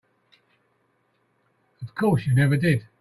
Of course you never did.